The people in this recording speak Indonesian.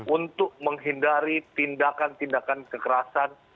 untuk menghindari tindakan tindakan kekerasan